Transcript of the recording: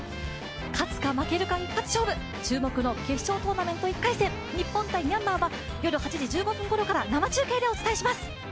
勝つか負けるか一発勝負、注目の決勝トーナメント１回戦日本×ミャンマーは夜８時１５分頃から生中継でお届けします。